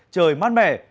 trời mát mẻ